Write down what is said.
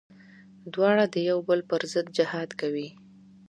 دواړه د يو بل پر ضد جهاد کوي.